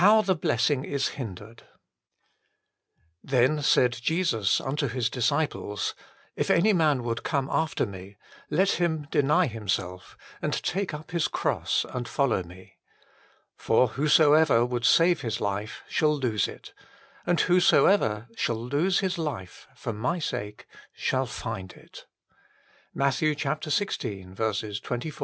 je iSlcssittg is fjmtimli Then said Jesus unto His disciples : If any man would come after Me, let him deny himself, and take up his cross, and follow Me. For whosoever would save his life shall lose it . and whosoever shall lose his life for My sake shall find it." MATT. xvi. 24, 25. FT!